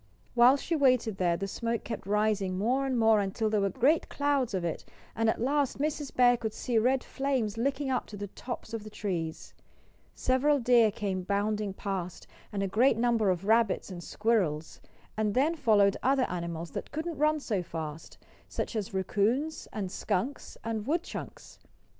While she waited there the smoke kept rising more and more until there were great clouds of it; and at last Mrs. Bear could see red flames licking up to the tops of the trees. Several deer came bounding past, and a great number of rabbits and squirrels. And then followed other animals that couldn't run so fast such as raccoons, and skunks, and woodchucks.